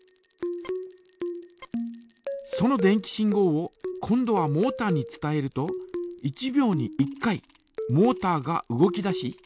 その電気信号を今度はモータに伝えると１秒に１回モータが動き出し。